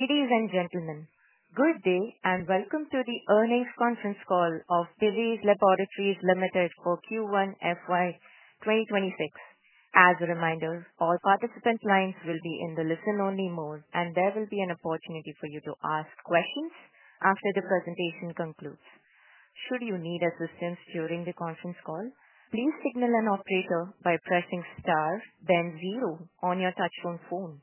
Ladies and gentlemen, good day and welcome to the earnings conference call of Divi's Laboratories Limited for Q1 FY 2026. As a reminder, all participant lines will be in the listen-only mode, and there will be an opportunity for you to ask questions after the presentation concludes. Should you need assistance during the conference call, please signal an operator by pressing star, then zero on your touch-tone phone.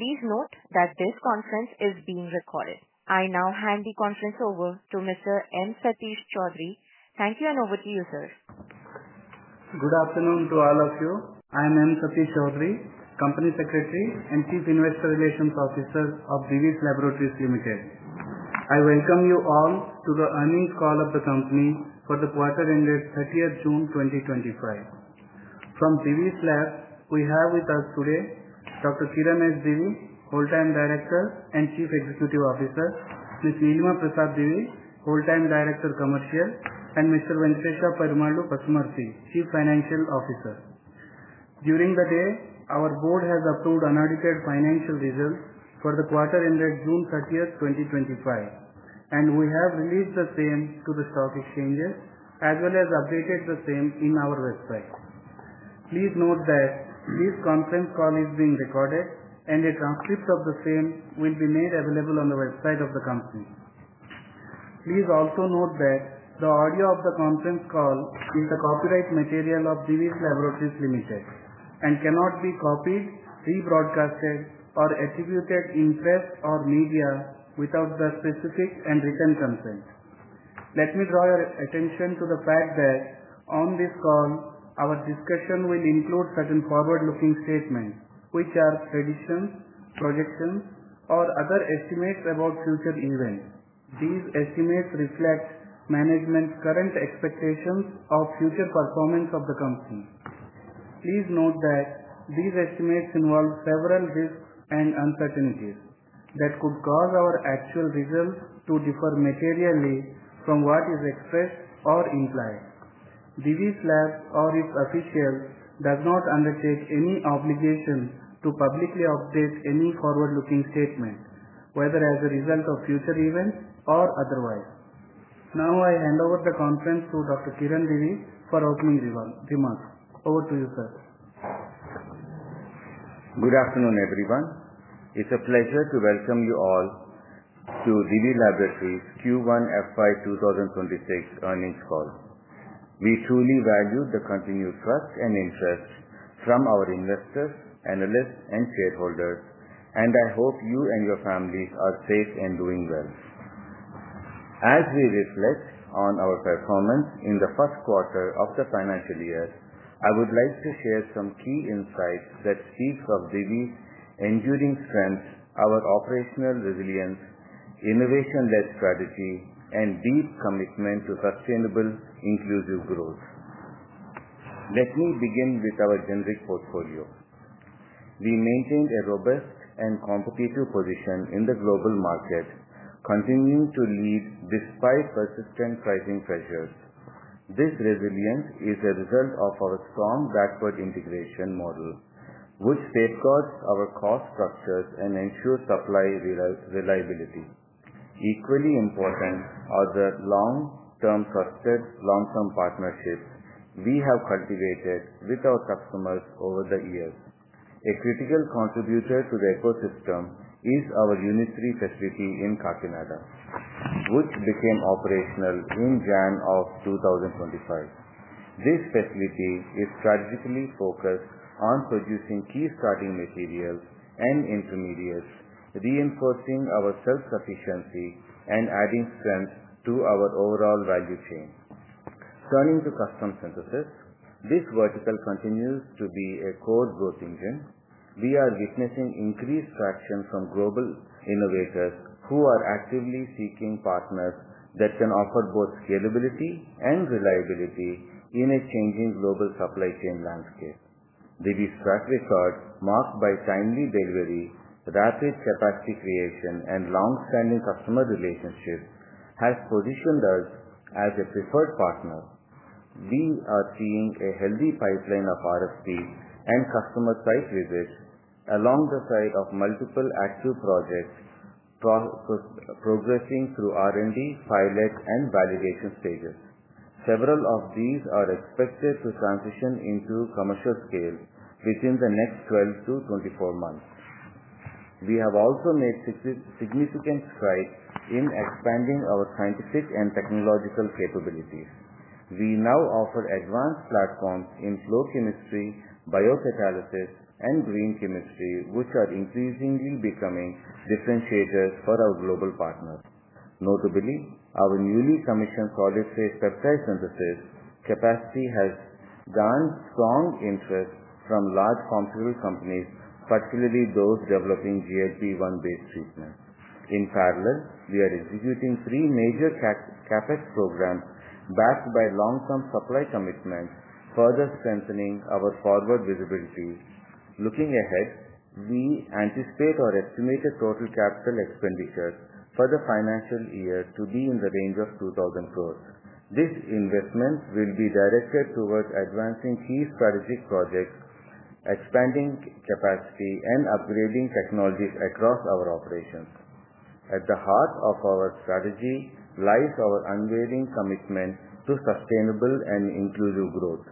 Please note that this conference is being recorded. I now hand the conference over to Mr. M. Satish Choudhury. Thank you and over to you, sir. Good afternoon to all of you. I am M. Satish Choudhury, Company Secretary and Chief Investor Relations Officer of Divi's Laboratories Limited. I welcome you all to the earnings call of the company for the quarter ended June 30th, 2025. From Divi's Laboratories, we have with us today Dr. Kiran S. Divi, Whole-Time Director and Chief Executive Officer; Ms. Nilima Prasad Divi, Whole-Time Director Commercial; and Mr. Venkatesha Parimallu Pasumarthi, Chief Financial Officer. During the day, our board has approved unaudited financial results for the quarter ended June 30th, 2025, and we have released the same to the stock exchanges, as well as updated the same on our website. Please note that this conference call is being recorded, and a transcript of the same will be made available on the website of the company. Please also note that the audio of the conference call is the copyright material of Divi's Laboratories Limited and cannot be copied, rebroadcasted, or attributed in press or media without the specific and written consent. Let me draw your attention to the fact that on this call, our discussion will include certain forward-looking statements, which are predictions, projections, or other estimates about future events. These estimates reflect management's current expectations of future performance of the company. Please note that these estimates involve several risks and uncertainties that could cause our actual results to differ materially from what is expressed or implied. Divi's Labs or its officials do not undertake any obligation to publicly update any forward-looking statement, whether as a result of future events or otherwise. Now I hand over the conference to Dr. Kiran Divi for opening remarks. Over to you, sir. Good afternoon, everyone. It's a pleasure to welcome you all to Divi's Laboratories Q1 FY 2026 earnings call. We truly value the continued trust and interest from our investors, analysts, and shareholders, and I hope you and your families are safe and doing well. As we reflect on our performance in the first quarter of the financial year, I would like to share some key insights that speak of Divi's enduring strength, our operational resilience, innovation-led strategy, and deep commitment to sustainable, inclusive growth. Let me begin with our generic portfolio. We maintained a robust and competitive position in the global market, continuing to lead despite persistent pricing pressures. This resilience is a result of our strong backward integration model, which safeguards our cost structures and ensures supply reliability. Equally important are the long-term trusted partnerships we have cultivated with our customers over the years. A critical contributor to the ecosystem is our Unit 3 facility in Kakinada, which became operational June 10, 2025. This facility is strategically focused on producing key starting materials and intermediates, reinforcing our self-sufficiency and adding strength to our overall value chain. Turning to custom services, this vertical continues to be a core growth engine. We are witnessing increased traction from global innovators who are actively seeking partners that can offer both scalability and reliability in a changing global supply chain landscape. Divi's track record, marked by timely delivery, rapid capacity creation, and long-standing customer relationships, has positioned us as a preferred partner. We are seeing a healthy pipeline of RFPs and customer site visits alongside multiple active projects progressing through R&D, pilot, and validation stages. Several of these are expected to transition into commercial scale within the next 12-24 months. We have also made significant strides in expanding our scientific and technological capabilities. We now offer advanced platforms in flow chemistry, biocatalysis, and green chemistry, which are increasingly becoming differentiators for our global partners. Notably, our newly commissioned solid phase peptide synthesis capacity has garnered strong interest from large pharmaceutical companies, particularly those developing GLP-1-based treatments. In parallel, we are executing three major CapEx programs backed by long-term supply commitments, further strengthening our forward visibility. Looking ahead, we anticipate our estimated total capital expenditure for the financial year to be in the range of 2,000 crore. This investment will be directed towards advancing key strategic projects, expanding capacity, and upgrading technologies across our operations. At the heart of our strategy lies our unwavering commitment to sustainable and inclusive growth.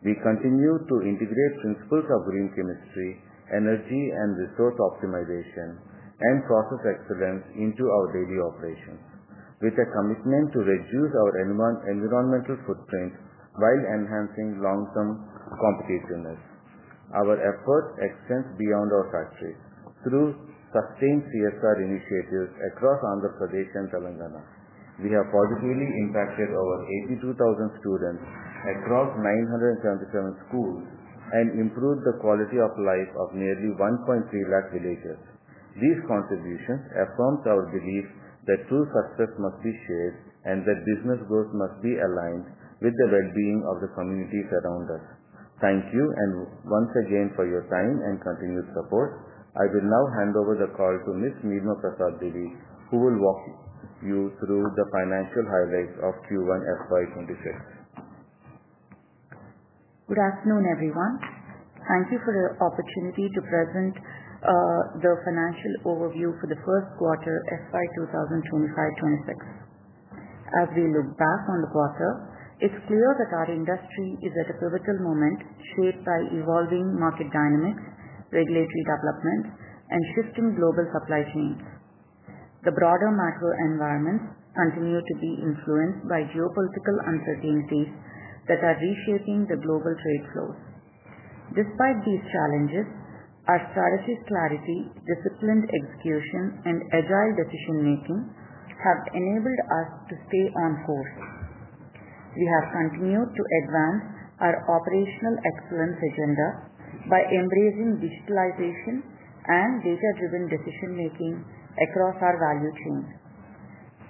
We continue to integrate principles of green chemistry, energy and resource optimization, and process excellence into our daily operations, with a commitment to reduce our environmental footprint while enhancing long-term competitiveness. Our effort extends beyond our country through sustained CSR initiatives across Andhra Pradesh and Telangana. We have positively impacted over 82,000 students across 977 schools and improved the quality of life of nearly 130,000 villagers. These contributions affirm our belief that true success must be shared and that business growth must be aligned with the well-being of the communities around us. Thank you once again for your time and continued support. I will now hand over the call to Ms. Nilima Prasad Divi, who will walk you through the financial highlights of Q1 FY 2026. Good afternoon, everyone. Thank you for the opportunity to present the financial overview for the first quarter FY 2025/2026. As we look back on the quarter, it's clear that our industry is at a pivotal moment shaped by evolving market dynamics, regulatory development, and shifting global supply chains. The broader macro environment continues to be influenced by geopolitical uncertainties that are reshaping the global trade flows. Despite these challenges, our strategy's clarity, disciplined execution, and agile decision-making have enabled us to stay on course. We have continued to advance our operational excellence agenda by embracing digitalization and data-driven decision-making across our value chains.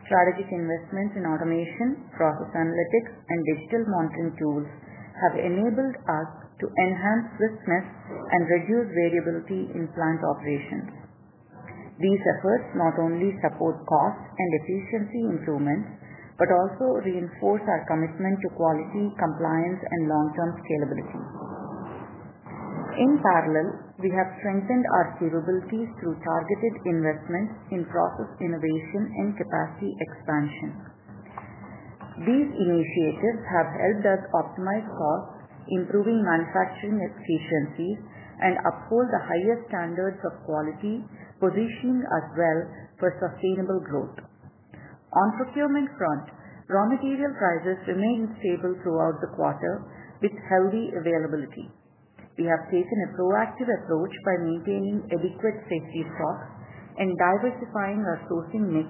Strategic investments in automation, process analytics, and digital monitoring tools have enabled us to enhance swiftness and reduce variability in plant operations. These efforts not only support cost and efficiency improvements, but also reinforce our commitment to quality, compliance, and long-term scalability. In parallel, we have strengthened our capabilities through targeted investments in process innovation and capacity expansion. These initiatives have helped us optimize costs, improve manufacturing efficiency, and uphold the highest standards of quality, positioning us well for sustainable growth. On procurement front, raw material prices remain stable throughout the quarter, with healthy availability. We have taken a proactive approach by maintaining adequate safety of stocks and diversifying our sourcing mix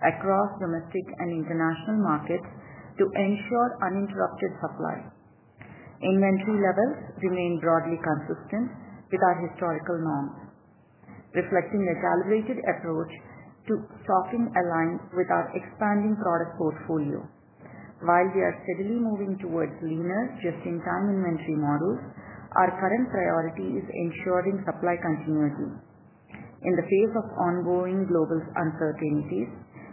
across domestic and international markets to ensure uninterrupted supply. Inventory levels remain broadly consistent with our historical norms, reflecting a calibrated approach to shopping aligned with our expanding product portfolio. While we are steadily moving towards leaner just-in-time inventory models, our current priority is ensuring supply continuity. In the face of ongoing global uncertainties,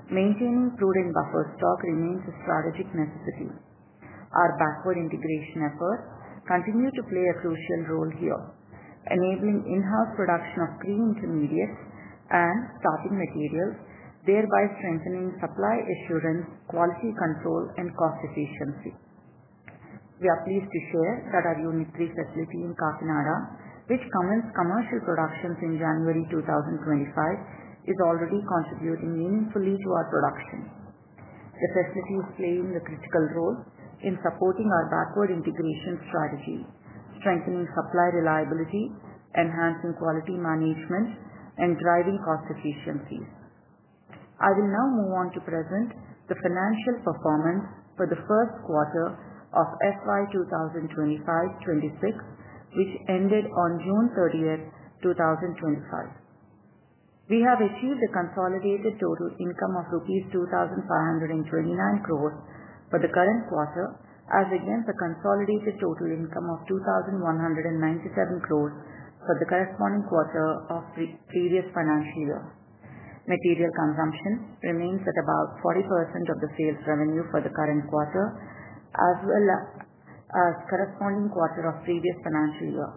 maintaining prudent buffer stock remains a strategic necessity. Our backward integration efforts continue to play a crucial role here, enabling in-house production of three intermediates and starting materials, thereby strengthening supply assurance, quality control, and cost efficiency. We are pleased to share that our Unit 3 facility in Kakinada, which commenced commercial production in January 2025, is already contributing meaningfully to our production. The facility has played a critical role in supporting our backward integration strategy, strengthening supply reliability, enhancing quality management, and driving cost efficiencies. I will now move on to present the financial performance for the first quarter of FY 2025/2026, which ended on June 30th, 2025. We have achieved a consolidated total income of rupees 2,529 crore for the current quarter, as against a consolidated total income of 2,197 crore for the corresponding quarter of the previous financial year. Material consumption remains at about 40% of the sales revenue for the current quarter, as well as the corresponding quarter of the previous financial year.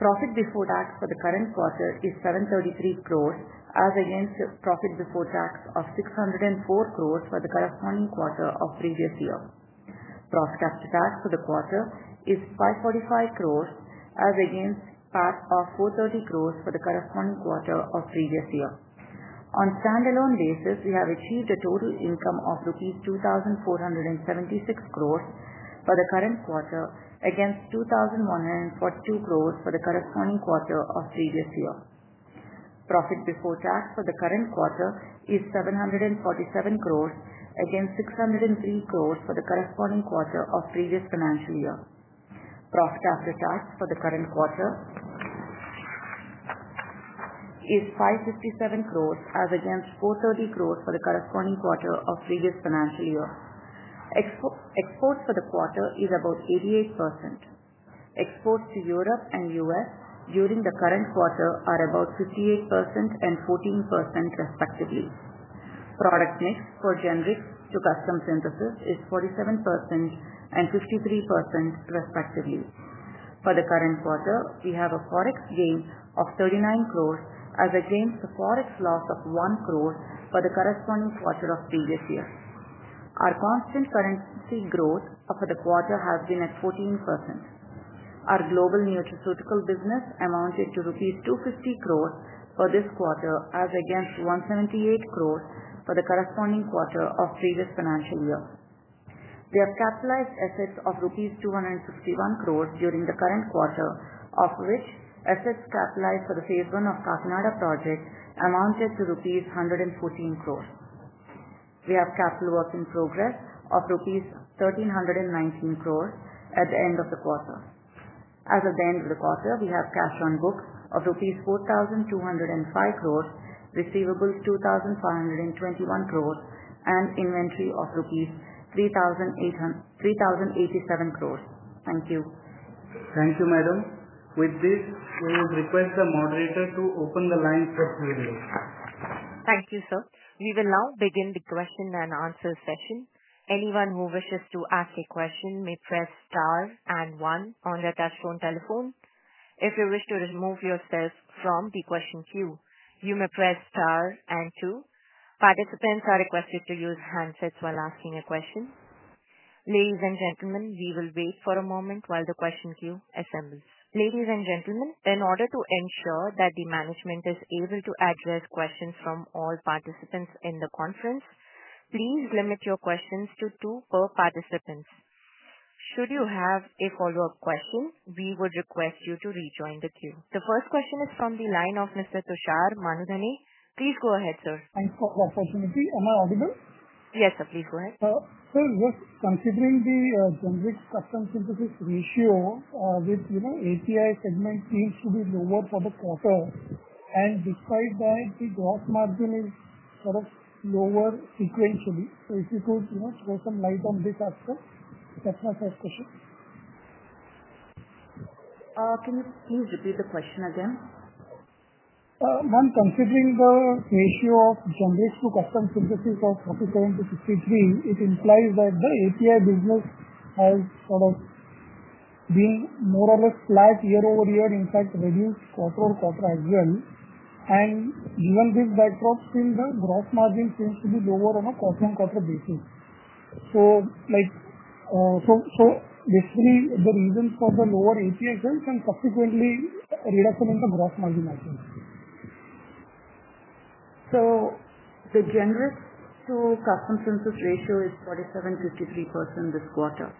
Profit before tax for the current quarter is 733 crore, as against profit before tax of 604 crore for the corresponding quarter of the previous year. Profit after tax for the quarter is 545 crore, as against 430 crore for the corresponding quarter of the previous year. On a standalone basis, we have achieved a total income of INR 2,476 crore for the current quarter, against 2,143 crore for the corresponding quarter of the previous year. Profit before tax for the current quarter is 747 crore, against 603 crore for the corresponding quarter of the previous financial year. Profit after tax for the current quarter is 567 crore, as against 430 crore for the corresponding quarter of the previous financial year. Exports for the quarter are about 88%. Exports to Europe and the U.S. during the current quarter are about 58% and 14%, respectively. Product mix for generic to custom synthesis is 47% and 53%, respectively. For the current quarter, we have a forex gain of 39 crore, as against a forex loss of 1 crore for the corresponding quarter of the previous year. Our constant currency growth for the quarter has been at 14%. Our global nutraceutical business amounted to rupees 250 crore for this quarter, as against 178 crore for the corresponding quarter of the previous financial year. We have capitalized assets of 261 crore rupees during the current quarter, of which assets capitalized for the phase one of the Kakinada project amounted to rupees 114 crore. We have capital work in progress of rupees 1,319 crore at the end of the quarter. As of the end of the quarter, we have cash on book of 4,205 crore rupees, receivables 2,521 crore, and inventory of rupees 3,087 crore. Thank you. Thank you, Madam. With this, we would request the moderator to open the lines for Q&A. Thank you, sir. We will now begin the question-and-answer session. Anyone who wishes to ask a question may press star and one on their touch-on telephone. If you wish to remove your desk from the question queue, you may press star and two. Participants are requested to use handsets while asking a question. Ladies and gentlemen, we will wait for a moment while the question queue assembles. Ladies and gentlemen, in order to ensure that the management is able to address questions from all participants in the conference, please limit your questions to two per participant. Should you have a follow-up question, we would request you to rejoin the queue. The first question is from the line of Mr. Tushar Manoharlal. Please go ahead, sir. I have one question. Am I audible? Yes, sir, please go ahead. Sir, what's considering the generic custom synthesis ratio with, you know, API segment change to be lower for the quarter? Despite that, the gross margin is sort of lower sequentially. If you could, you know, shed some light on this aspect, that's my first question. Can you please repeat the question? When considering the ratio of generics to custom synthesis of 47% to 53%, it implies that the API business has sort of been more or less flat year-over-year. In fact, it's reduced quarter-over-quarter as well. Given this backdrop, still the gross margin seems to be lower on a quarter-on-quarter basis. Basically, the reasons for the lower APIs and subsequently a reduction in the gross margin I think. The generic to custom synthesis ratio is 47%, 53% this quarter.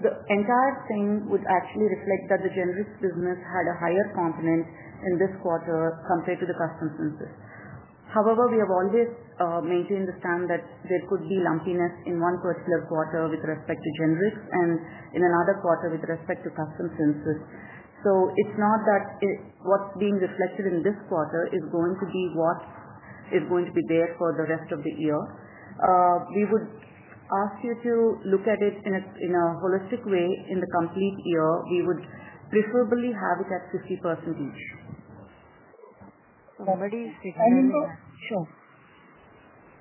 The entire thing would actually reflect that the generics business had a higher component in this quarter compared to the custom synthesis. However, we have always maintained the stand that there could be lumpiness in one particular quarter with respect to generics and in another quarter with respect to custom synthesis. It's not that what's being reflected in this quarter is going to be what is going to be there for the rest of the year. We would ask you to look at it in a holistic way in the complete year. We would preferably have it at 50%. Sir,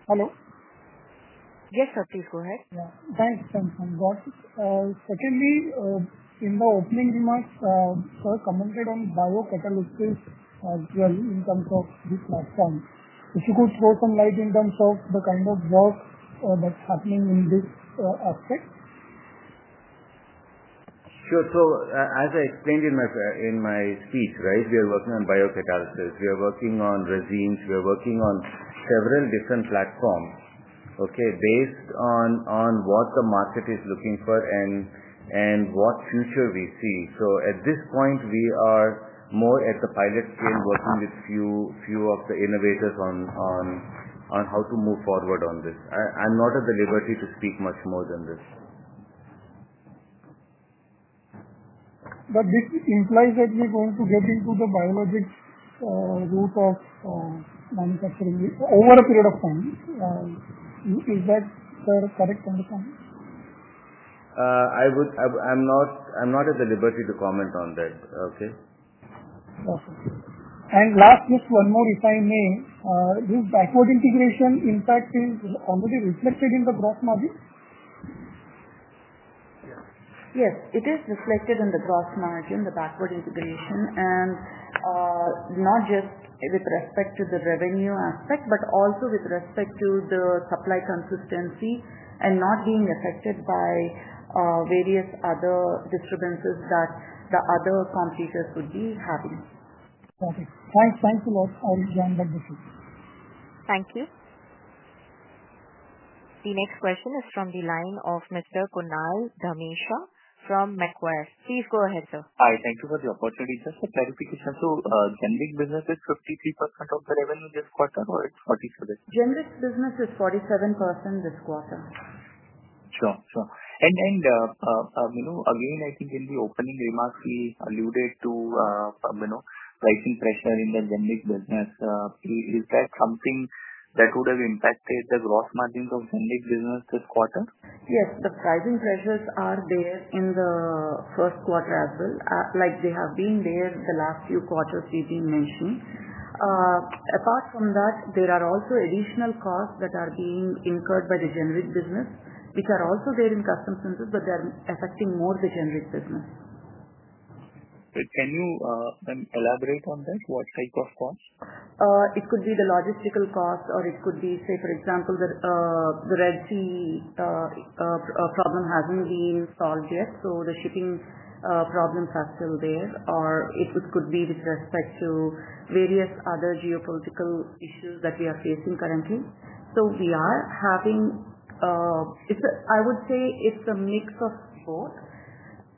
hello? Yes, sir, please go ahead. Thanks. Certainly, in the opening remarks, Sir commented on Bravo Catalyst in terms of this platform. If you could shed some light in terms of the kind of work that's happening in this aspect. Sure. As I explained in my speech, we are working on biocatalysis. We are working on resins. We are working on several different platforms, based on what the market is looking for and what future we see. At this point, we are more at the pilot stage working with a few of the innovators on how to move forward on this. I'm not at the liberty to speak much more than this. This implies that we're going to get into the biologic group of manufacturing over a period of time. Is that the correct understanding? I'm not at the liberty to comment on that, okay? Just one more if I may, this backward integration impact is already reflected in the gross margin? Yes, it is reflected in the gross margin, the backward integration, and not just with respect to the revenue aspect, but also with respect to the supply consistency and not being affected by various other disturbances that the other companies would be having. Okay, thanks a lot for all the answers. Thank you. The next question is from the line of Mr. Kunal Dhamesha from Macquarie. Please go ahead, sir. Hi. Thank you for the opportunity. Just a clarification. Is the generic business 53% of the revenue this quarter, or is it 47%? Generic business is 47% this quarter. Sure. I think in the opening remarks, we alluded to pricing pressure in the generic business. Is that something that would have impacted the gross margins of generic business this quarter? Yes, the pricing pressures are there in the first quarter as well. Like, they have been there the last few quarters we've been mentioning. Apart from that, there are also additional costs that are being incurred by the generic business, which are also there in custom synthesis, but they're affecting more the generic business. Can you elaborate on that? What type of cost? It could be the logistical costs, or it could be, for example, the Red Sea problem hasn't been solved yet. The shipping problems are still there, or it could be with respect to various other geopolitical issues that we are facing currently. We are having, I would say it's a mix of both.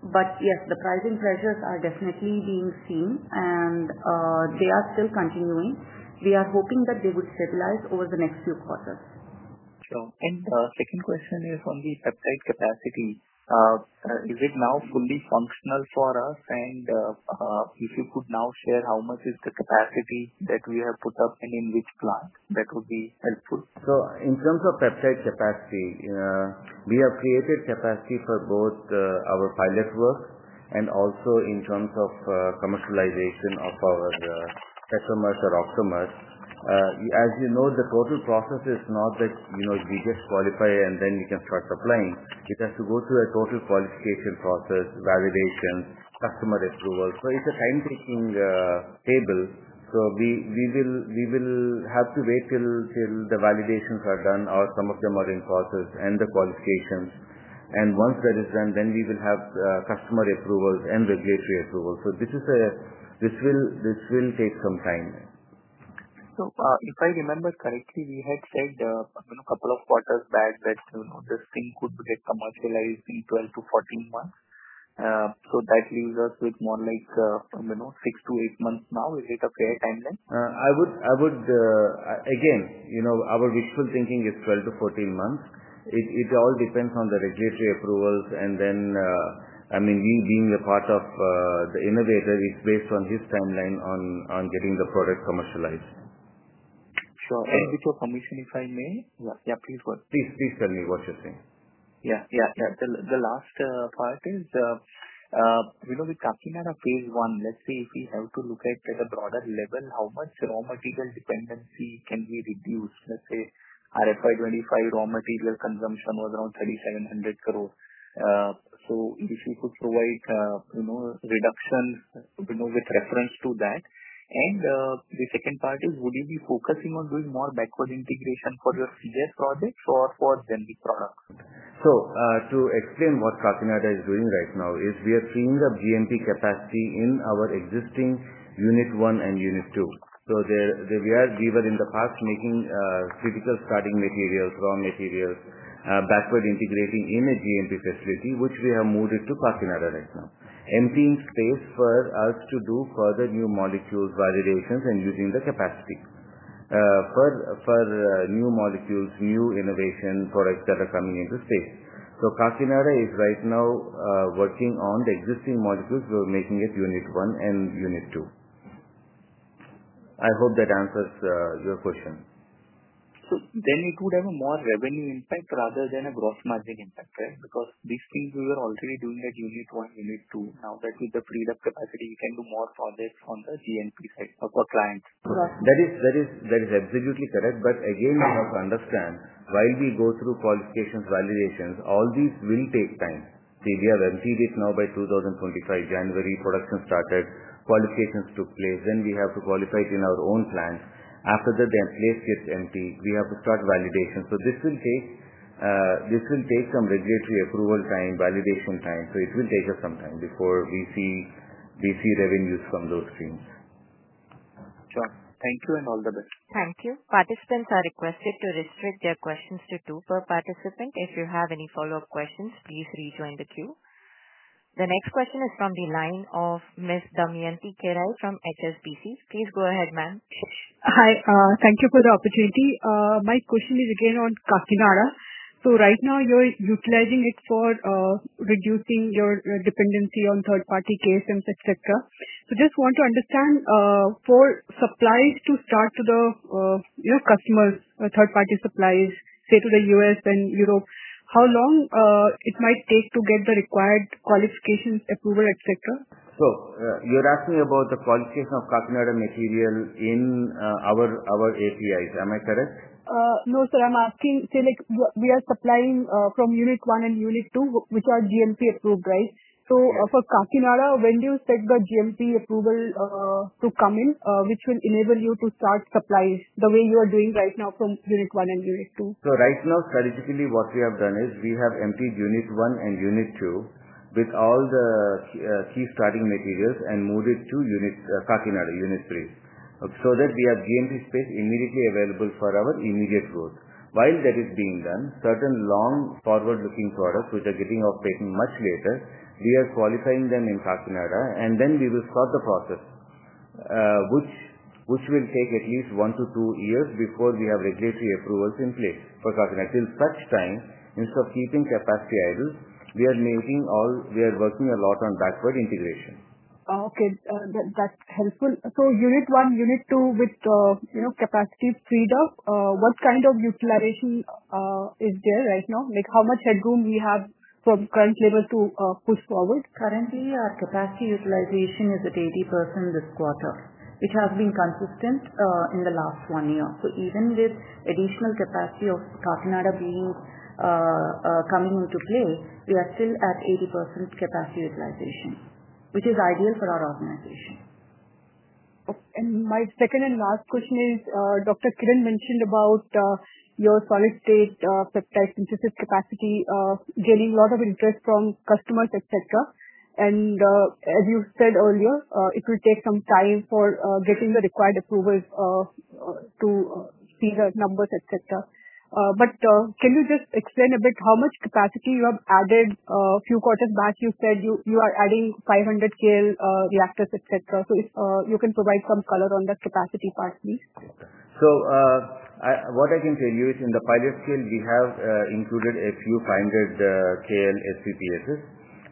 Yes, the pricing pressures are definitely being seen, and they are still continuing. We are hoping that they would stabilize over the next few quarters. The second question is on the peptide capacity. Is it now fully functional for us? If you could now share how much is the capacity that we have put up and in which plant, that would be helpful. In terms of peptide capacity, we have created capacity for both our pilot work and also in terms of commercialization of our customers. As you know, the total process is not that, you know, we just qualify and then we can start supplying. It has to go through a total qualification process, validation, customer approval. It is a time-taking table. We will have to wait till the validations are done, or some of them are in process and the qualifications. Once that is done, then we will have customer approvals and regulatory approvals. This will take some time. If I remember correctly, you had said a couple of quarters back that this thing could get commercialized in 12-14 months. That leaves us with more like six to eight months now. Is it a fair timeline? Our wishful thinking is 12-14 months. It all depends on the regulatory approvals. Being a part of the innovator, it's based on his timeline on getting the product commercialized. Before commission, if I may, yeah, please go ahead. Please tell me what you think. Yes, yeah. The last part is, you know, with Kakinada phase one, let's say if we have to look at a broader level, how much raw material dependency can we reduce? Let's say our FY 2025 raw material consumption was around 3,700 crore. If we could provide, you know, reduction, you know, with reference to that. The second part is, would you be focusing on doing more backward integration for your seeded projects or for generic products? To explain what Kakinada is doing right now, we are seeing a GMP capacity in our existing Unit 1 and Unit 2. There, we were in the past making critical starting materials, raw materials, backward integrating in a GMP facility, which we have moved to Kakinada right now, emptying space for us to do further new molecule validations and using the capacity for new molecules, new innovation products that are coming into space. Kakinada is right now working on the existing molecules we're making in Unit 1 and Unit 2. I hope that answers your question. It would have a more revenue impact rather than a gross margin impact, right? Because these things we were already doing at Unit 1, Unit 2. Now that with the freed-up capacity, we can do more for this on the GMP side of our clients. That is absolutely correct. Again, understand, while we go through qualifications and validations, all these will take time. We have emptied it now; by 2025, January production started. Qualifications took place. Then we have to qualify it in our own plants. After that, the employees get emptied. We have to start validation. This will take some regulatory approval time and validation time. It will take us some time before we see revenues from those things. Sure. Thank you and all the best. Thank you. Participants are requested to restrict their questions to two per participant. If you have any follow-up questions, please rejoin the queue. The next question is from the line of Ms. Damayanti Kerai from HSBC. Please go ahead, ma'am. Hi. Thank you for the opportunity. My question will be again on Kakinada. Right now, you're utilizing it for reducing your dependency on third-party cases and etc. I just want to understand, for supplies to start to the, you know, customers, third-party supplies, say to the U.S. and Europe, how long it might take to get the required qualifications, approval, etc.? You're asking about the qualification of Kakinada material in our APIs. Am I correct? No, sir. I'm asking, say, like, we are supplying from Unit 1 and Unit 2, which are GMP approved, right? For Kakinada, when do you set the GMP approval to come in, which will enable you to start supplies the way you are doing right now from Unit 1 and Unit 2? Right now, surgically, what we have done is we have emptied Unit 1 and Unit 2 with all the key starting materials and moved it to Kakinada Unit 3, so that we have GMP space immediately available for our immediate growth. While that is being done, certain long-forward-looking products, which are getting off patent much later, we are qualifying them in Kakinada, and then we will start the process, which will take at least one to two years before we have regulatory approvals in place for Kakinada. Till such time, instead of keeping capacity idle, we are working a lot on backward integration. Okay, that's helpful. Unit 1, Unit 2, with the capacity freed up, what kind of utilization is there right now? How much headroom do you have from current level to push forward? Currently, our capacity utilization is at 80% this quarter. It has been consistent in the last one year. Even with additional capacity of Kakinada coming into play, we are still at 80% capacity utilization, which is ideal for our organization. My second and last question is, Dr. Kiran mentioned about your solid phase peptide synthesis capacity gaining a lot of interest from customers, etc. As you said earlier, it will take some time for getting the required approvals to see the numbers, etc. Can you just explain a bit how much capacity you have added? A few quarters back, you said you are adding 500 KL SCTs, etc. Can you provide some color on that capacity part, please? What I can tell you is in the pilot field, we have included a few 500 KL SCTSs.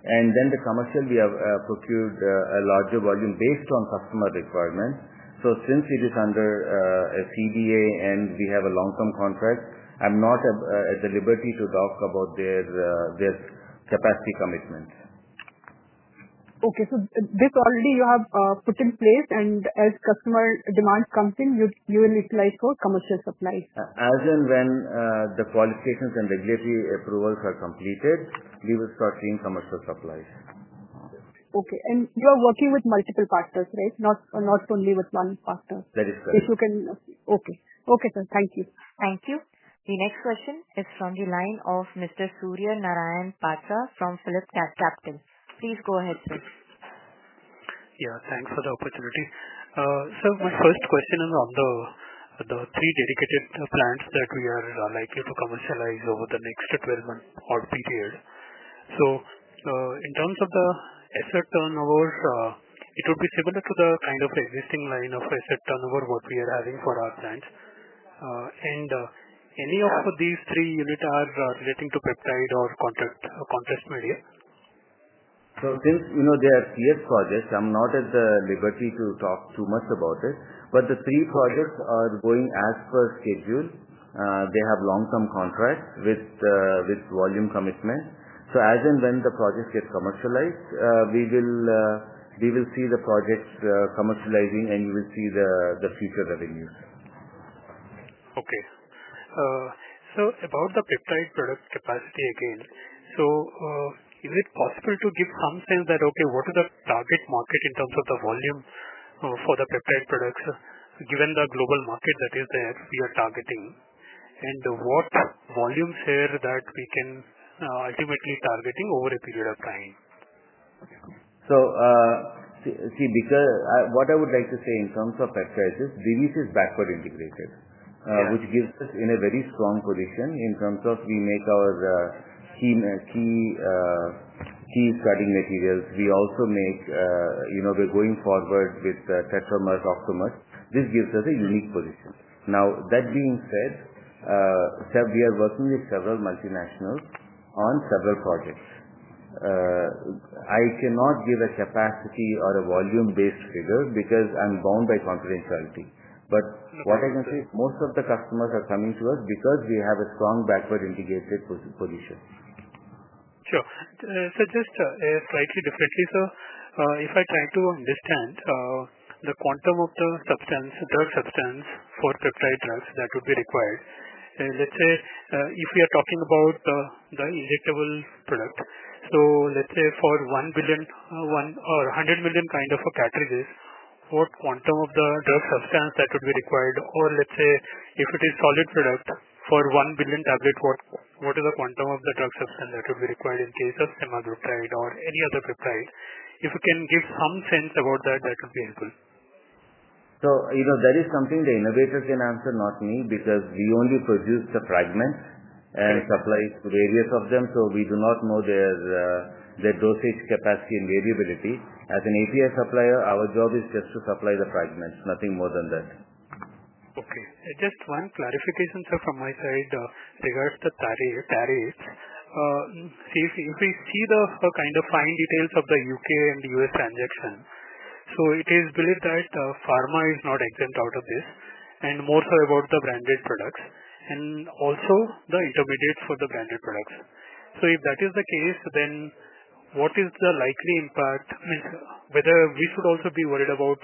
In the commercial, we have procured a larger volume based on customer requirement. Since it is under a CBA and we have a long-term contract, I'm not at the liberty to talk about their capacity commitment. Okay. This already you have put in place, and as customer demand comes in, you will apply for commercial supply? As and when the qualifications and regulatory approvals are completed, we will start seeing commercial supplies. Okay. You are working with multiple partners, right? Not only with one partner? That is correct. Okay, sir. Thank you. Thank you. The next question is from the line of Mr. Surya Narayan Patra from PhillipCapital. Please go ahead, please. Yeah, thanks for the opportunity. My first question is on the three dedicated plants that we are likely to commercialize over the next 12-month odd period. In terms of the asset turnover, it would be similar to the kind of existing line of asset turnover work we are having for our plants. Any of these three unit adds are relating to peptide or compound material? There are three projects. I'm not at the liberty to talk too much about it, but the three projects are going as per schedule. They have long-term contracts with volume commitment. As and when the project gets commercialized, we will see the projects commercializing, and you will see the future revenue. Okay, about the peptide product capacity again, is it possible to give some sense that, okay, what are the target market in terms of the volume for the peptide products given the global market that is there you're targeting? What volumes here that we can ultimately target over a period of time? In terms of peptides, Divi's Laboratories Limited is backward integrated, which gives us a very strong position in terms of we make our, same as key cutting materials. We also make, you know, we're going forward with customers. This gives us a unique position. That being said, we are working with several multinationals on several projects. I cannot give a capacity or a volume-based figure because I'm bound by confidentiality. What I can say is most of the customers are coming to us because we have a strong backward integrated position. Sure. Just a slightly differently, sir, if I try to understand the quantum of the substance, drug substance for peptide drugs that would be required. Let's say, if we are talking about the injectable product, for 1 billion or 100 million kind of peptides, what quantum of the drug substance would be required? Let's say if it is solid product for 1 billion tablets, what is the quantum of the drug substance that would be required in case of Semaglutide or any other peptide? If you can give some sense about that, that would be helpful. That is something the innovators can answer, not me, because we only produce a fragment and supply it to various of them. We do not know their dosage capacity and variability. As an API supplier, our job is just to supply the fragments, nothing more than that. Okay. Just one clarification, sir, from my side. The director, tariff, if we see the kind of fine details of the U.K. and U.S. transaction, it is believed that pharma is not exempt out of this, and more so about the branded products and also the intermediates for the branded products. If that is the case, then what is the likely impact? I mean, whether we should also be worried about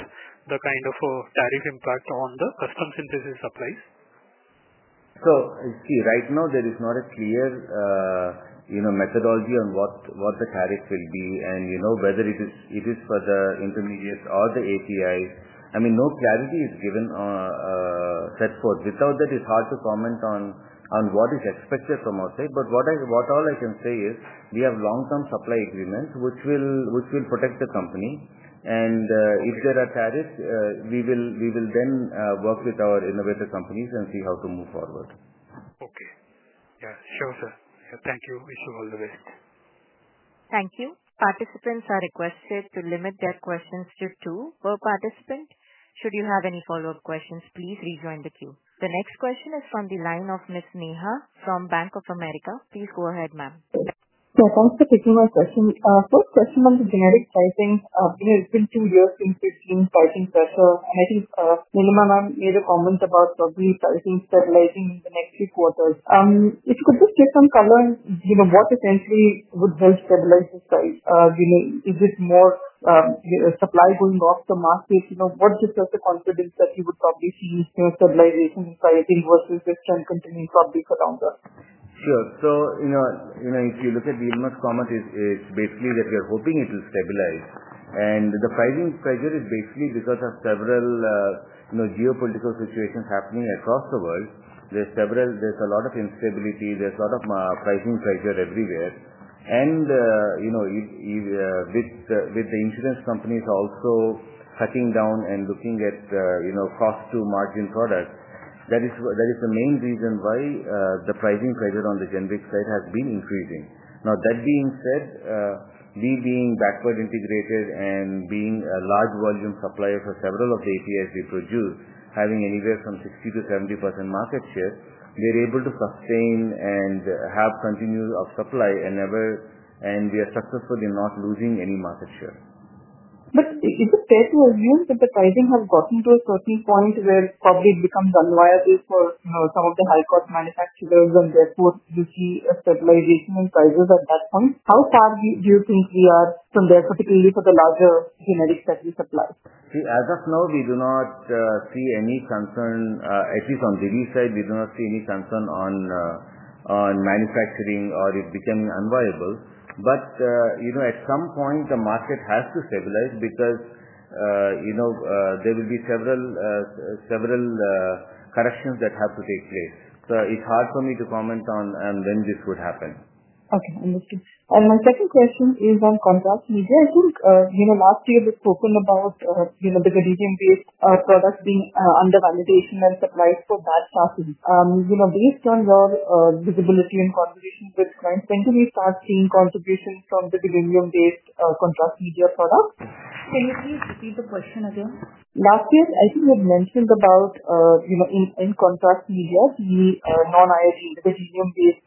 the kind of a tariff impact on the custom synthesis supplies? Right now, there is not a clear methodology on what the tariffs will be and whether it is for the intermediates or the API. No clarity is given, set forth. Without that, it's hard to comment on what is expected from our side. What I can say is we have long-term supply agreements, which will protect the company. If there are tariffs, we will then work with our innovator companies and see how to move forward. Okay. Yeah, sure, sir. Thank you. We'll see all the way. Thank you. Participants are requested to limit their questions to two per participant. Should you have any follow-up questions, please rejoin the queue. The next question is from the line of Ms. Neha from Bank of America. Please go ahead, ma'am. Thank you for taking my question. First question on the generic pricing. You know, it's been two years since we've seen pricing sets. Nilima ma'am made a comment about probably pricing stabilizing in the next few quarters. If you could just give some color, you know, what essentially would help stabilize this price? You know, if it's more supply going off the market, you know, what gives us the confidence that you would probably see stabilization in pricing versus this can continue probably for longer? If you look at the inbox comment, it's basically that we are hoping it will stabilize. The pricing pressure is basically because of several geopolitical situations happening across the world. There's a lot of instability. There's a lot of pricing pressure everywhere. With the insurance companies also cutting down and looking at cost-to-margin product, that is the main reason why the pricing pressure on the generic side has been increasing. That being said, we being backward integrated and being a large volume supplier for several of the active pharmaceutical ingredients we produce, having anywhere from 60%-70% market share, we are able to sustain and have continued supply and we are successful in not losing any market share. If you could say to us, you know, that the pricing has gotten to a certain point where it probably becomes unwise for, you know, some of the high-cost manufacturers, and therefore you see a stabilization in prices at that point. How far do you think we are from there, particularly for the larger generic package? As of now, we do not see any concern, at least on Divi's side, we do not see any concern on manufacturing or it becoming unviable. At some point, the market has to stabilize because there will be several corrections that have to take place. It's hard for me to comment on when this would happen. Okay. Understood. My second question is on contrast media. I think last year we've spoken about the gadolinium-based products being under validation and supplies for that. Based on your visibility in cooperation with clients, I think we start seeing contributions from the gadolinium-based contrast media product. Can you please repeat the question again? Last year, I think you had mentioned about in contrast media, the non-IoT gadolinium-based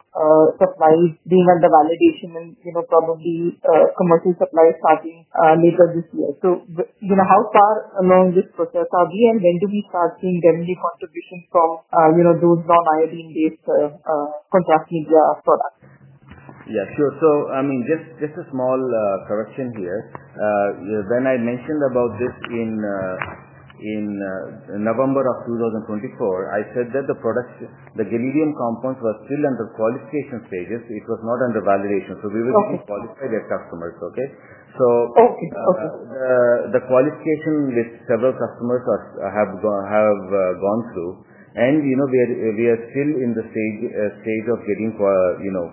supplies being under validation and probably commercial supplies starting later this year. How far along this process are we and when do we start seeing generally contributions from those non-IoT-based contrast media products? Yeah, sure. Just a small correction here. When I mentioned about this in November 2024, I said that the production, the gadolinium components were still under qualification stages. It was not under validation. We were going to qualify their customers, okay? The qualification with several customers have gone through, and we are still in the stage of getting, you know,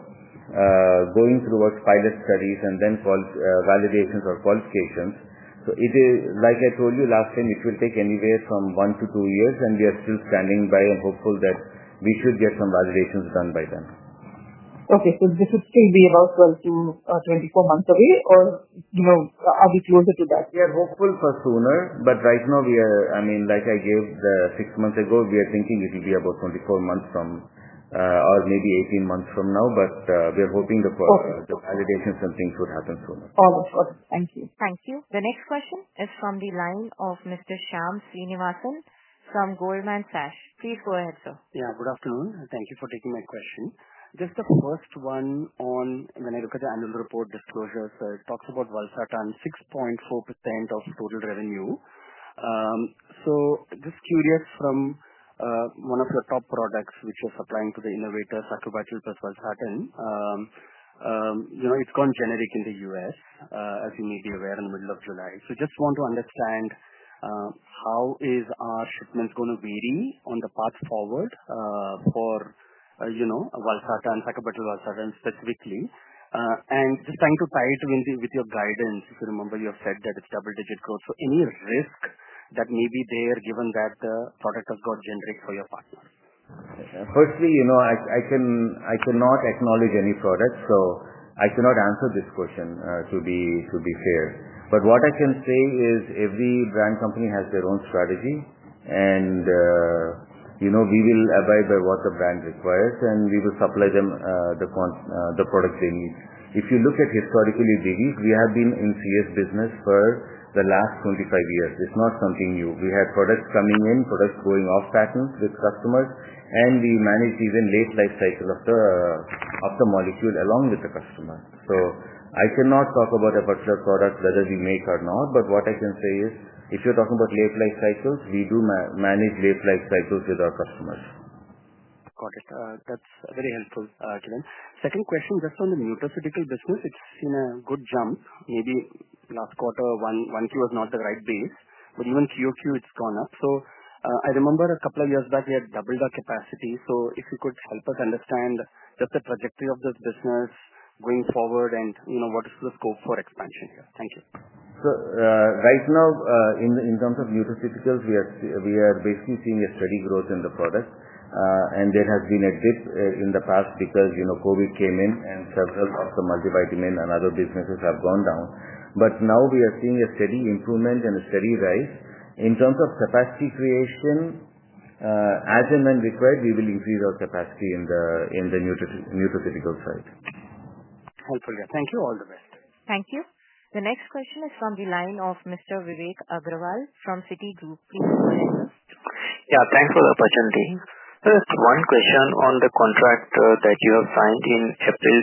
going towards pilot studies and then called validations or qualifications. Like I told you last time, it will take anywhere from one to two years, and we are still standing by and hopeful that we should get some validations done by then. Okay. This would still be about 12-24 months away, or, you know, are we closer to that? We are hopeful for sooner. Right now, like I gave the six months ago, we are thinking it will be about 24 months from, or maybe 18 months from now. We are hoping the validations and things would happen sooner. All good. Thank you. Thank you. The next question is from the line of Mr. Shyam Srinivasan from Goldman Sachs. Please go ahead, sir. Yeah, good afternoon. Thank you for taking my question. Just the first one on, when I look at the annual report disclosures, it talks about Valsartan 6.4% of total revenue. Just curious from one of your top products, which is supplying to the innovators, Acrobyl plus Valsartan. You know, it's gone generic in the U.S., as many may be aware, in the middle of July. I just want to understand, how is our shipments going to vary on the path forward for Valsartan, Acrobyl Valsartan specifically? Just trying to tie it with your guidance. If you remember, you have said that it's double-digit growth. Any risk that may be there given that the product has gone generic for your partner? Firstly, I cannot acknowledge any products, so I cannot answer this question to be fair. What I can say is every brand company has their own strategy, and we will abide by what the brand requires, and we will supply them the quantity, the products they need. If you look at historically Divi's, we have been in services business for the last 25 years. It's not something new. We had products coming in, products going off patent with customers, and we managed even late life cycle of the molecule along with the customer. I cannot talk about a particular product whether we make or not, but what I can say is if you're talking about late life cycles, we do manage late life cycles with our customers. Got it. That's very helpful, Kiran. Second question, just on the nutraceuticals business, it's seen a good jump. Maybe last quarter, Q1 was not the right base, but even QOQ, it's gone up. I remember a couple of years back, we had doubled our capacity. If you could help us understand just the trajectory of this business going forward and what is the scope for expansion here? Thank you. Right now, in terms of neuropsychological, we are basically seeing a steady growth in the product. There has been a dip in the past because, you know, COVID came in and several of the multivitamins and other businesses have gone down. Now we are seeing a steady improvement and a steady rise. In terms of capacity creation, as and when required, we will increase our capacity in the neuropsychological side. Hopefully, yeah. Thank you. All the best. Thank you. The next question is from the line of Mr. Vivek Agrawal from Citigroup. Please go ahead. Yeah, thanks for the opportunity. Just one question on the contract that you have signed in April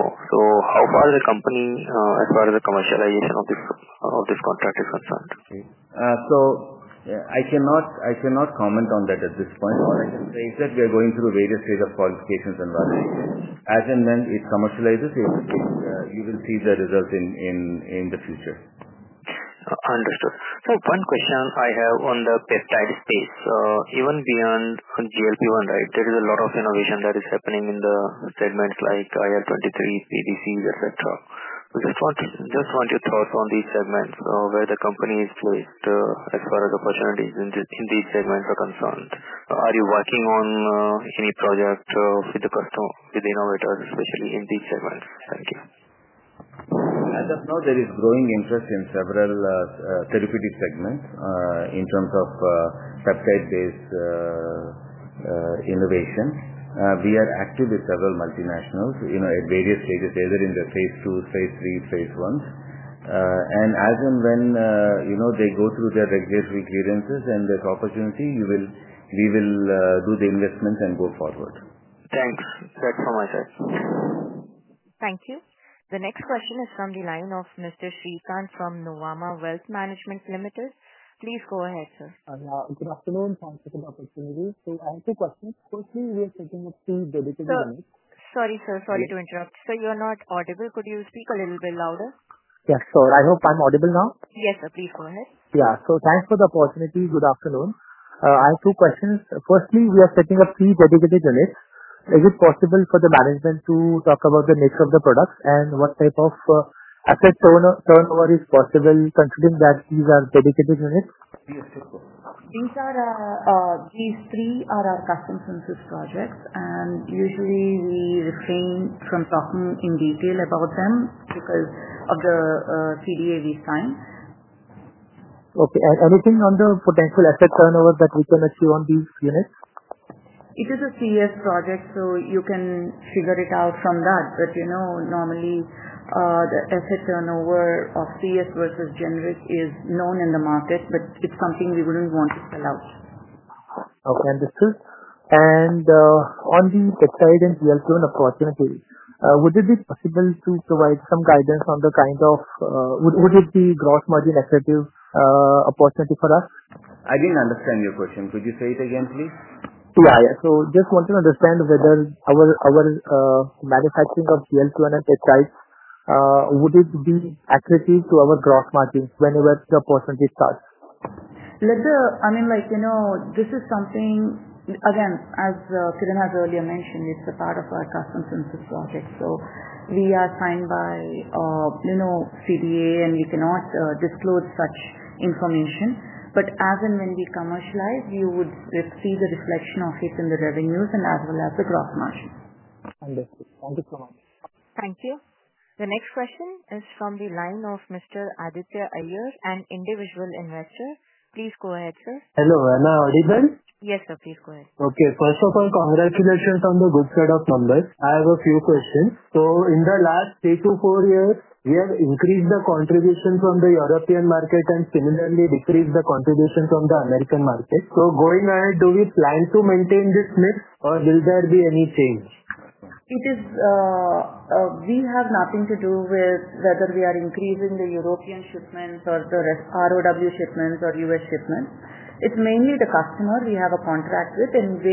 2024. How far the company, as far as the commercialization of this contract is concerned? Okay. I cannot comment on that at this point. As I said, we are going through various stages of qualifications and validation. As and when it commercializes, you will see the results in the future. Understood. One question I have on the peptide space. Even beyond Q1, there is a lot of innovation that is happening in the segments like IL-23, PDCs, etc. I just want your thoughts on these segments, where the company is placed as far as opportunities in these segments are concerned. Are you working on any projects with the customer, with the innovators, especially in these segments? Thank you. As of now, there is growing interest in several therapeutic segments, in terms of peptide-based innovation. We are active with several multinationals at various stages, either in the phase two, phase three, phase one. As and when they go through their regulatory clearances and the opportunity, we will do the investment and go forward. Thank you. That's all my question. Okay. Thank you. The next question is from the line of Mr. Sisan from Novama Wealth Management Ltd. Please go ahead, sir. Yeah, good afternoon. Thanks for the opportunity. I have two questions. Firstly, we are setting up two dedicated units. Sorry, sir. Sorry to interrupt. Sir, you're not audible. Could you speak a little bit louder? Yes, sir. I hope I'm audible now. Yes, sir. Please go ahead. Thank you for the opportunity. Good afternoon. I have two questions. Firstly, we are setting up three dedicated units. Is it possible for the management to talk about the nature of the products and what type of asset turnover is possible considering that these are dedicated units? Yes, sure. These three are our custom synthesis projects. Usually, we refrain from talking in detail about them because of the CDA we signed. Okay. Anything on the potential asset turnover that we can achieve on these units? It is a CS project, so you can figure it out from that. Normally, the asset turnover of CS versus generic is known in the market, but it's something we wouldn't want to spell out. Okay. Understood. On the peptide and GLP-1 opportunity, would it be possible to provide some guidance on the kind of, would it be a gross margin effective opportunity for us? I didn't understand your question. Could you say it again, please? I just want to understand whether our manufacturing of GLP-1 and peptides, would it be attractive to our gross margin whenever the percentage cuts? I mean, like, you know, this is something, again, as Kiran has earlier mentioned, it's a part of our custom synthesis project. We are signed by, you know, CBA, and we cannot disclose such information. As and when we commercialize, you would see the reflection of it in the revenues and as well as the gross margin. Understood. Thank you so much. Thank you. The next question is from the line of Mr. Aditya Iyer, an individual investor. Please go ahead, sir. Hello. Am I audible? Yes, sir. Please go ahead. Okay. First of all, congratulations on the good set of numbers. I have a few questions. In the last three to four years, we have increased the contribution from the European market and similarly decreased the contribution from the American market. Going ahead, do we plan to maintain this mix, or will there be any change? It is, we have nothing to do with whether we are increasing the European shipments or the ROW shipments or U.S. shipments. It's mainly the customer we have a contract with, and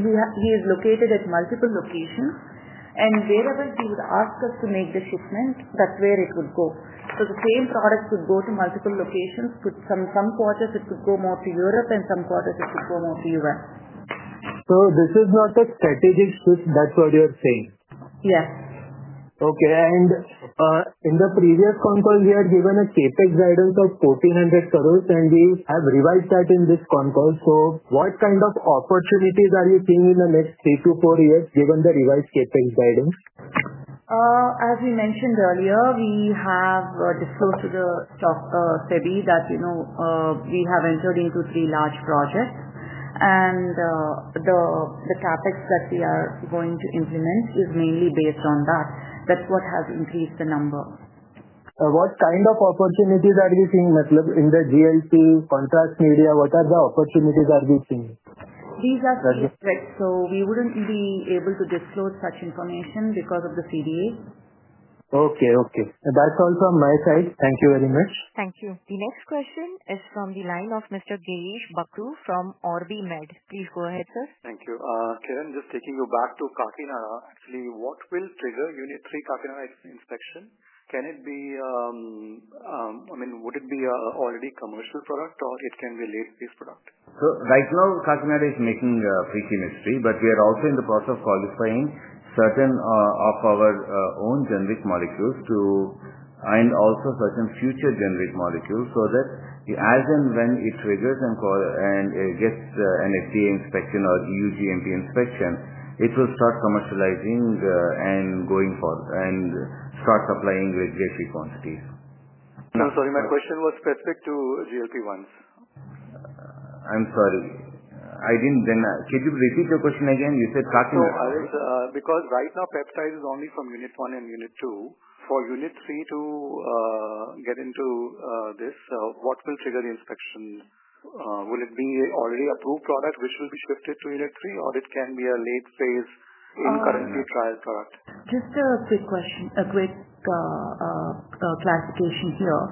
where he is located at multiple locations. Wherever he asks us to make the shipment, that's where it would go. The same product would go to multiple locations. Some quarters, it could go more to Europe, and some quarters, it could go more to the U.S. This is not a strategic switch. That's what you're saying? Yes. Okay. In the previous compound, we are given a CapEx guidance of INR 1,400 crore, and we have revised that in this compound. What kind of opportunities are you seeing in the next three to four years given the revised CapEx guidance? As we mentioned earlier, we have disclosed to the CB that we have entered into three large projects, and the CapEx that we are going to implement is mainly based on that. That's what has increased the number. What kind of opportunities are you seeing, in the GLP-1 contrast media? What are the opportunities are we seeing? These are statistics. We wouldn't be able to disclose such information because of the CBA. Okay. Okay. That's all from my side. Thank you very much. Thank you. The next question is from the line of Mr. Dev Bakhru from OrbiMed. Please go ahead, sir. Thank you. Kiran, just taking you back to Kakinada. Actually, what will trigger Unit 3 Kakinada inspection? Can it be, I mean, would it be an already commercial product, or it can be a late-stage product? Right now, Kakinada is making pre-chemistry, but we are also in the process of qualifying certain of our own generic molecules and also certain future generic molecules so that as and when it triggers and it gets an FDA inspection or EU GMP inspection, it will start commercializing, going forward and start supplying with J3 quantities. I'm sorry. My question was specific to GLP-1s. I'm sorry. I didn't then. Can you repeat your question again? You said Kakinada. Because right now, peptide is only from Unit 1 and Unit 2. For Unit 3 to get into this, what will trigger the inspection? Will it be an already approved product which will be shifted to Unit 3, or it can be a late-stage, currently trial product? Just a quick question, a quick clarification here.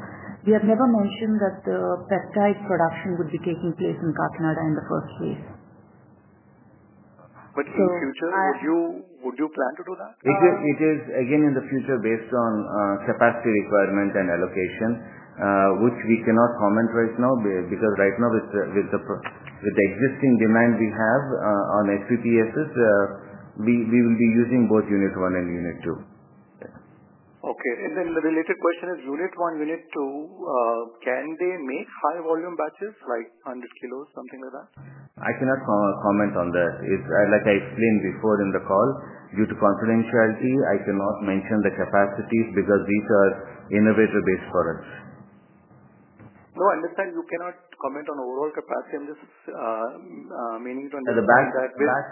We have never mentioned that the peptide production would be taking place in Kakinada in the first place. Would you plan to do that? It is, again, in the future based on capacity requirements and allocation, which we cannot comment right now because right now with the existing demand we have on SVTSs, we will be using both Unit 1 and Unit 2. Yeah. Okay. The related question is Unit 1, Unit 2, can they make high-volume batches like 100 kg, something like that? I cannot comment on that. Like I explained before in the call, due to confidentiality, I cannot mention the capacities because these are innovator-based products. No, I understand you cannot comment on overall capacity. I'm just meaning to understand. The batch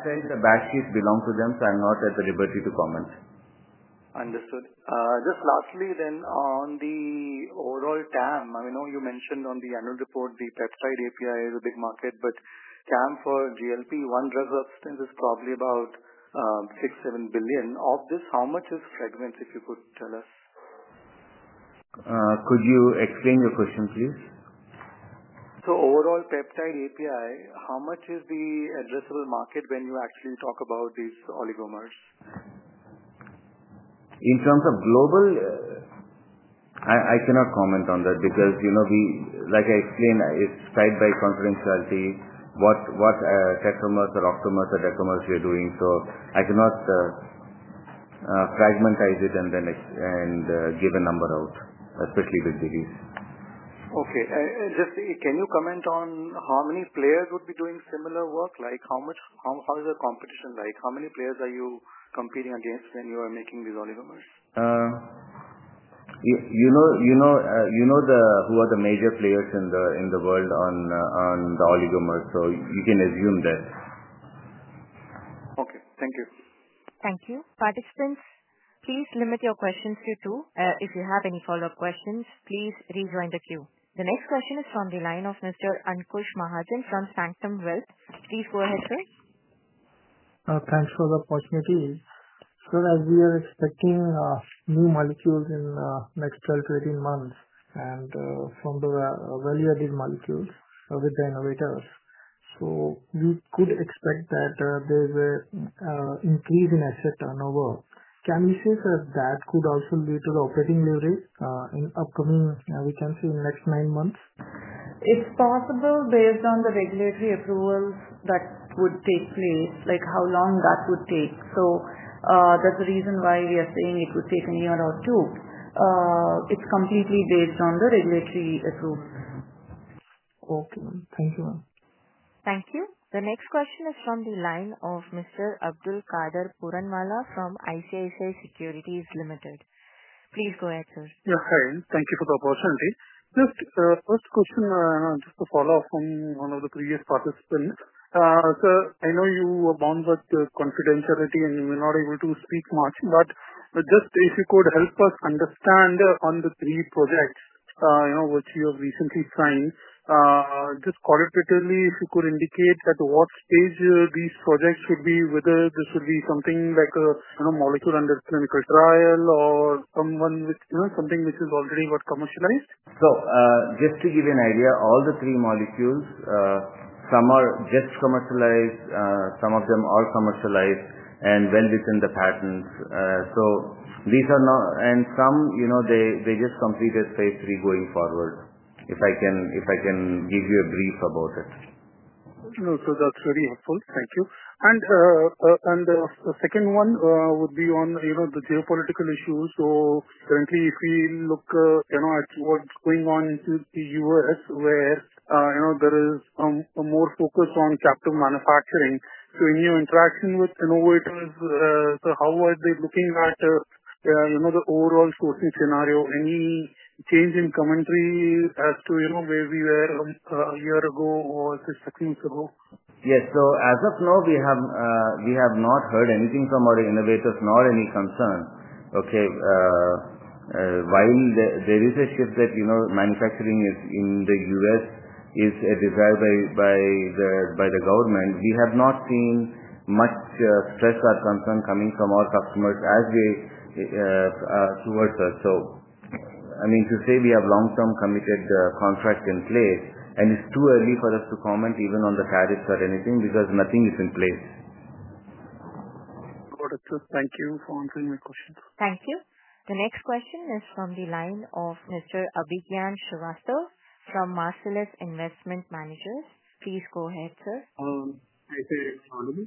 set, the batch keys belong to them. I'm not at the liberty to comment. Understood. Just lastly then, on the overall TAM, I know you mentioned on the annual report the peptide API is a big market, but TAM for GLP-1 drug substance is probably about $6 billion, $7 billion. Of this, how much is fragment, if you could tell us? Could you explain your question, please? Overall, peptide API, how much is the addressable market when you actually talk about these oligomers? In terms of global, I cannot comment on that because, you know, like I explained, it's tied by confidentiality, what tetramers or octamers or decamers we are doing. I cannot fragmentize it and then give a number out, especially with Divi's. Okay. Can you comment on how many players would be doing similar work? How is the competition like? How many players are you competing against when you are making these oligomers? You know who are the major players in the world on the oligomers, so you can assume this. Okay, thank you. Thank you. Participants, please limit your questions to two. If you have any follow-up questions, please rejoin the queue. The next question is from the line of Mr. Ankush Mahajan from Samsung Wealth. Please go ahead, sir. Thanks for the opportunity. Sir, as we are expecting new molecules in the next 12-18 months, and from the value-added molecules with the innovators, we could expect that there's an increase in asset turnover. Can we say for us that could also lead to the operating leverage in the upcoming, we can say, in the next nine months? It's possible based on the regulatory approvals that would take place, like how long that would take. That's the reason why we are saying it would take a year or two. It's completely based on the regulatory approvals. Okay, thank you all. Thank you. The next question is from the line of Mr. Abdulkader Puranwala from ICICI Securities Limited. Please go ahead, sir. Yes, sir. Thank you for the opportunity. First question, just a follow-up from one of the previous participants. Sir, I know you are bound with the confidentiality and you may not be able to speak much, but if you could help us understand on the three projects you have recently signed, just qualitatively, if you could indicate at what stage these projects should be, whether this should be something like a molecule under clinical trial or something which is already commercialized? Just to give you an idea, all the three molecules, some are just commercialized, some of them are commercialized, and when it's in the patents. These are not, and some, you know, they just completed phase three going forward. If I can, if I can give you a brief about it. That's very helpful, thank you. The second one would be on the geopolitical issues. Currently, if we look at what's going on in the U.S., where there is more focus on capital manufacturing, in your interaction with innovators, how are they looking at the overall short-term scenario? Any change in commentary as to where we were a year ago or six weeks ago? Yes. As of now, we have not heard anything from our innovators, not any concern. While there is a shift that, you know, manufacturing is in the U.S. is a desire by the government, we have not seen much stress or concern coming from our customers towards us. I mean to say we have long-term committed contract in place, and it's too early for us to comment even on the tariffs or anything because nothing is in place. Got it, sir. Thank you for answering my question. Thank you. The next question is from the line of Mr. Abhiyan Shrestha from Marcellus Investment Managers. Please go ahead, sir. Hi, [can you hear me?].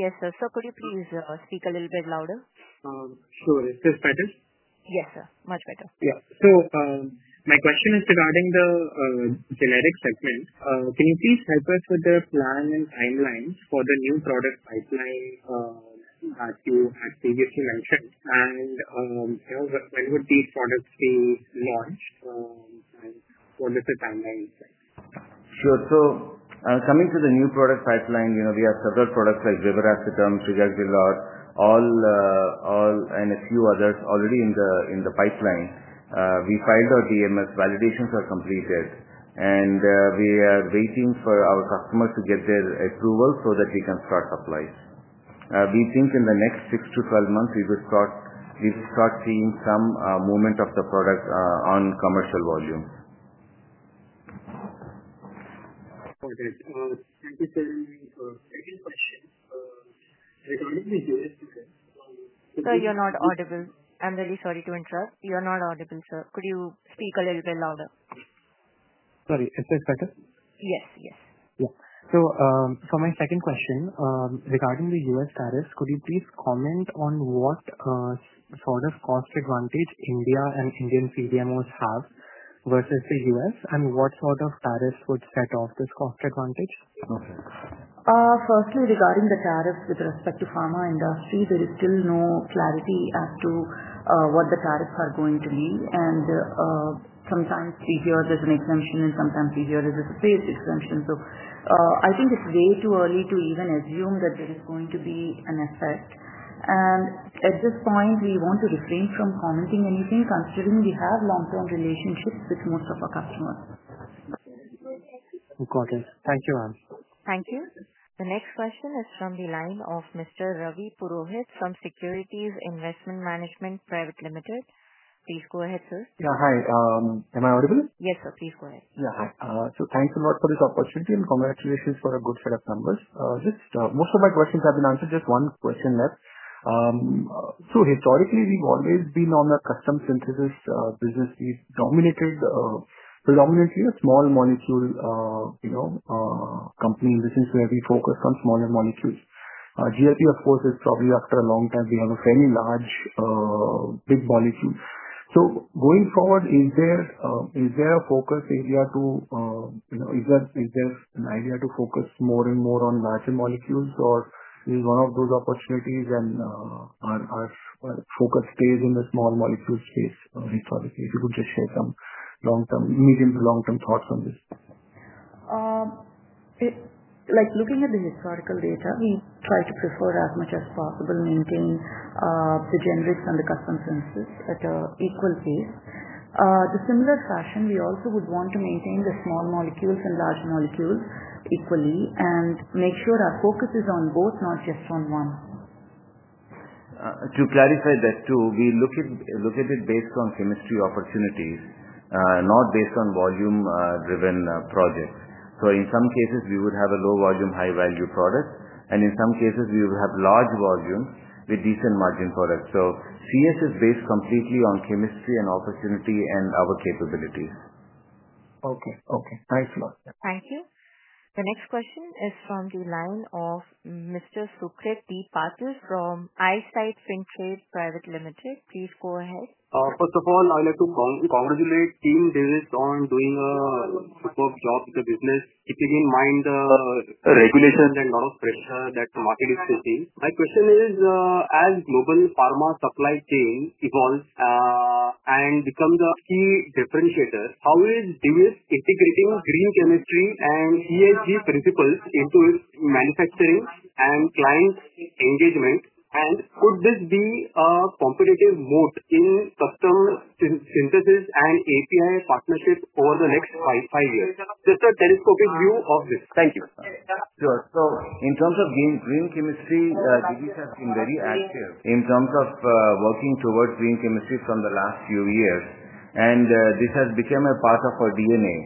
Yes, sir. Sir, could you please speak a little bit louder? Sure. Is this better? Yes, sir. Much better. Yeah. My question is regarding the generic segment. Can you please help us with the plan and timelines for the new product pipeline at Divi's reference time? You know, when would these products be launched, and what is the timeline? Sure. Coming to the new product pipeline, we have several products like rivaracetone, figagidilor, all, and a few others already in the pipeline. We find that the DMS validations are completed, and we are waiting for our customers to get their approval so that we can start supplies. We think in the next six to 12 months, we will start seeing some movement of the products on commercial volume. Sir, you're not audible. I'm really sorry to interrupt. You're not audible, sir. Could you speak a little bit louder? Sorry. Is this better? Yes, yes. Yeah. For my second question, regarding the U.S. tariffs, could you please comment on what sort of cost advantage India and Indian CDMOs have versus the U.S., and what sort of tariffs would set off this cost advantage? Okay. Firstly, regarding the tariffs with respect to the pharma industry, there is still no clarity as to what the tariffs are going to be. Sometimes each year there's an exemption, and sometimes each year there's a paid exemption. I think it's way too early to even assume that there is going to be an effect. At this point, we want to refrain from commenting anything considering we have long-term relationships with most of our customers. Got it. Thank you, ma'am. Thank you. The next question is from the line of Mr. Ravi Purohit from Securities Investment Management Private Limited. Please go ahead, sir. Yeah, hi. Am I audible? Yes, sir. Please go ahead. Yeah, hi. Thanks a lot for this opportunity and congratulations for a good set of numbers. Most of my questions have been answered. Just one question left. Historically, we've always been on a custom synthesis business. We've dominated, predominantly a small molecule company in addition to where we focus on smaller molecules. GLP, of course, is probably after a long time, we want to say any large, big molecules. Going forward, is there a focus area to, you know, is there an idea to focus more and more on larger molecules, or is one of those opportunities and our focus stays on the small molecule space, historically? If you could just show some long-term, medium- to long-term thoughts on this. Like looking at the historical data, we try to prefer as much as possible maintaining the generics and the custom synthesis at an equal pace. In the similar fashion, we also would want to maintain the small molecules and large molecules equally and make sure our focus is on both, not just on one. To clarify that too, we look at it based on chemistry opportunities, not based on volume-driven projects. In some cases, we would have a low volume, high value product, and in some cases, we would have large volume with decent margin products. CS is based completely on chemistry and opportunity and our capability. Okay. Okay. Thanks a lot. Thank you. The next question is from the line of Mr. Sukrit D. Patil from I-Sight Ventures Private Limited. Please go ahead. First of all, I would like to congratulate the team on doing a superb job with the business, keeping in mind the regulations and all that the market is facing. My question is, as global pharma supply chain evolves and becomes a key differentiator, how is Divi's integration of green chemistry and ESG principles into its manufacturing and client engagement? Could this be a competitive mode in custom synthesis and API partnerships over the next five years? Just a telescopic view of this. Thank you. Sure. In terms of being green chemistry, Divi's has been very active in terms of working towards green chemistry from the last few years. This has become a part of our DNA,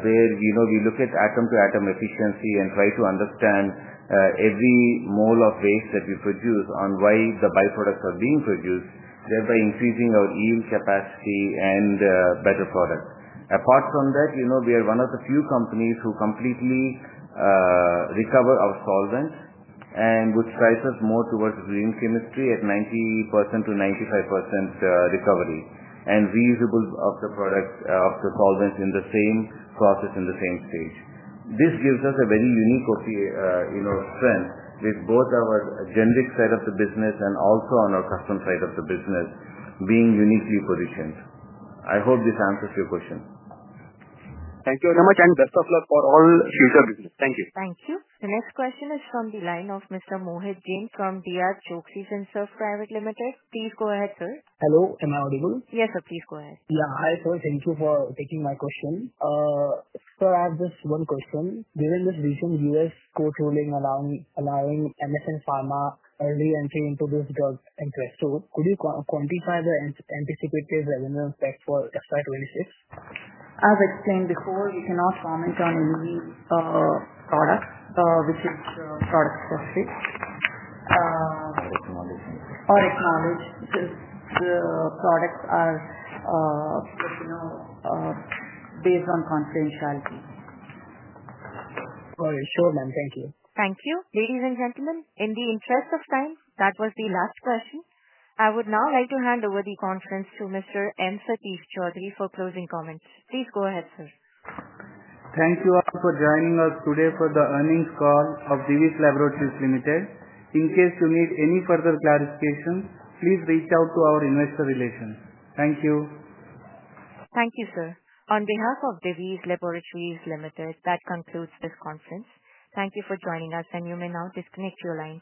where we look at atom-to-atom efficiency and try to understand every mole of waste that we produce and why the byproducts are being produced, thereby increasing our yield capacity and better products. Apart from that, we are one of the few companies who completely recover our solvent, which drives us more towards green chemistry at 90%-95% recovery and reusable of the solvents in the same process in the same stage. This gives us a very unique opportunity in our strength with both our generic side of the business and also on our custom side of the business being uniquely positioned. I hope this answers your question. Thank you very much, and best of luck for all future business. Thank you. Thank you. The next question is from the line of Mr. Mohit Dalal from Dr. Choksi Labs Private Limited. Please go ahead, sir. Hello. Am I audible? Yes, sir. Please go ahead. Hi, sir. Thank you for taking my question. Sir, I have just one question. During this recent U.S. post-ruling allowing MSN Pharma early entry into this drug, could you quantify the anticipated revenue effect for effect? As I explained before, we cannot comment on any products, with its product cost base. I'll acknowledge that. Or acknowledge if the products are, based on confidentiality. All right. Sure, ma'am. Thank you. Thank you. Ladies and gentlemen, in the interest of time, that was the last question. I would now like to hand over the conference to Mr. M. Satish Choudhury for closing comments. Please go ahead, sir. Thank you all for joining us today for the earnings call of Divi's Laboratories Limited. In case you need any further clarification, please reach out to our investor relations. Thank you. Thank you, sir. On behalf of Divi's Laboratories Limited, that concludes this conference. Thank you for joining us, and you may now disconnect your line.